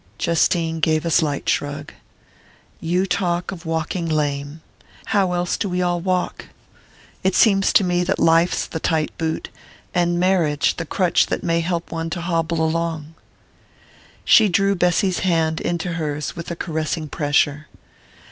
Justine gave a slight shrug. "You talk of walking lame how else do we all walk? It seems to me that life's the tight boot, and marriage the crutch that may help one to hobble along!" She drew Bessy's hand into hers with a caressing pressure.